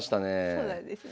そうなんですね。